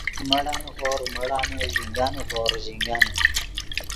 مڑانے ہورغ مڑانے ژینگانے ہورغ ژینگانے